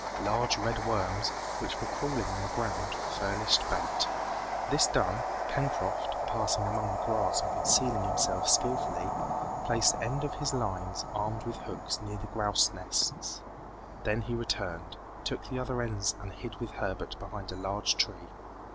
Large red worms, which were crawling on the ground, furnished bait. This done, Pencroft, passing among the grass and concealing himself skillfully, placed the end of his lines armed with hooks near the grouse nests; then he returned, took the other ends and hid with Herbert behind a large tree.